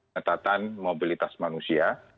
netatan mobilitas manusia